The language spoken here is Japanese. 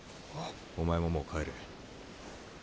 お前ももう帰れ。